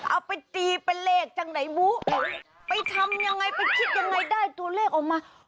เอาไปตีเป็นเลขจากไหนบูไปทำยังไงไปคิดยังไงได้ตัวเลขออกมา